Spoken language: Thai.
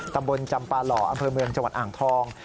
ตำบลจำปาหล่ออำเภอเมืองจังหวัดอ่างทอง